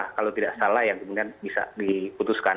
hal hal yang kemudian bisa diputuskan